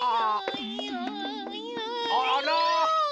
あら！